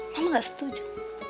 mama nggak setuju